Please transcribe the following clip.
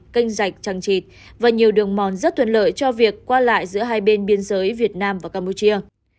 canh rạch trăng trịt và nhiều đường mòn rất thuận lợi cho việc qua lại giữa hai bên biên giới việt nam và campuchia